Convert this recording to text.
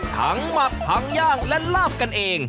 หมักผังย่างและลาบกันเอง